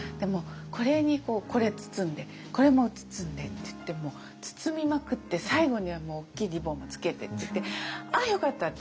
これにこれ包んでこれも包んでっていって包みまくって最後には大きいリボンもつけてって「ああよかった」って。